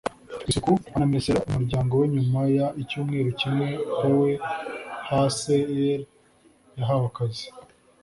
isuku anamesera umuryango we nyuma y icyumweru kimwe poe hser yahawe akazi